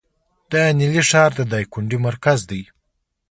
د نیلي ښار د دایکنډي مرکز دی